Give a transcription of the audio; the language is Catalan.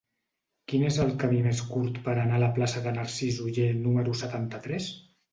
Quin és el camí més curt per anar a la plaça de Narcís Oller número setanta-tres?